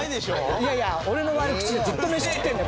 いやいや俺の悪口でずっと飯食ってるんだよ